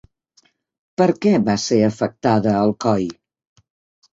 Per què va ser afectada Alcoi?